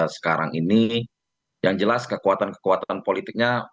sekarang ini yang jelas kekuatan kekuatan politiknya